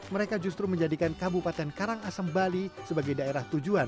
mereka justru menjadikan kabupaten karangasem bali sebagai daerah tujuan